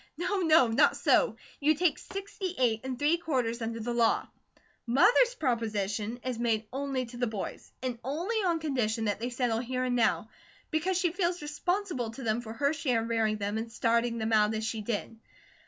"No, no! Not so! You take sixty eight and three quarters under the law. Mother's proposition is made ONLY to the boys, and only on condition that they settle here and now; because she feels responsible to them for her share in rearing them and starting them out as she did.